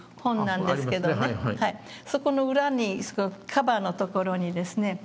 そこの裏にカバーのところにですね